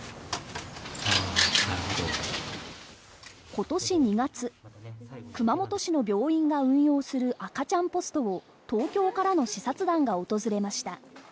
今年２月、熊本市の病院が運用する赤ちゃんポストを東京からの視察団が訪れました。